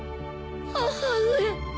母上。